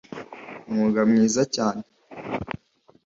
umwuga mwiza cyane